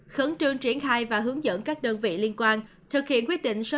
khẩn trương triển khai và hướng dẫn các đơn vị liên quan thực hiện quyết định số năm nghìn năm trăm hai mươi năm